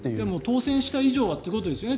当選した以上はということですよね。